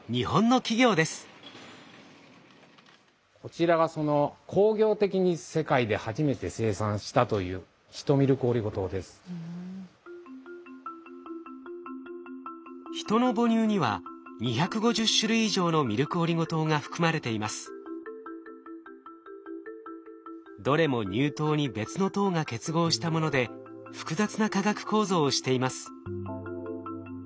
こちらがヒトの母乳にはどれも乳糖に別の糖が結合したもので複雑な化学構造をしています。